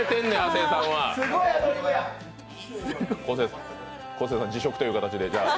昴生さん、辞職という形でじゃあ。